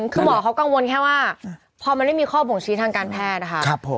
คือหมอเขากังวลแค่ว่าพอมันไม่มีข้อบ่งชี้ทางการแพทย์นะคะ